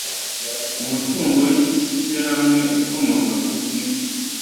umutungo w ishyirahamwe ukomoka kuki?